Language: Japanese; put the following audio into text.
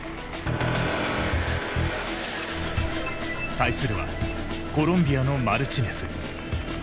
対するはコロンビアのマルチネス。